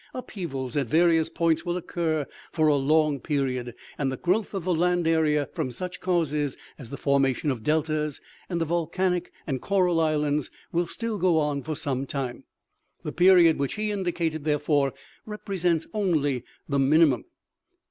Upheavals, at various points, will occur for a long period, and the growth of the land area from such causes as the formation of deltas, and volcanic and coral islands, will still go on for some time. The period which he indicated, therefore, represents only the minimum."